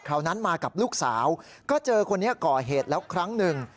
นั้นมากับลูกสาวก็เจอคนนี้ก่อเหตุแล้วครั้งหนึ่ง